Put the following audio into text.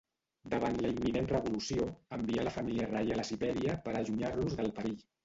Davant la imminent revolució, envià la família reial a Sibèria per a allunyar-los del perill.